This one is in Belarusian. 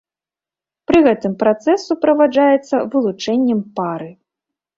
Пры гэтым працэс суправаджаецца вылучэннем пары.